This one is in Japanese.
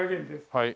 はい。